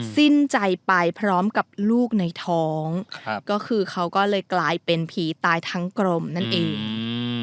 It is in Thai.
สิ้นใจไปพร้อมกับลูกในท้องครับก็คือเขาก็เลยกลายเป็นผีตายทั้งกรมนั่นเองอืม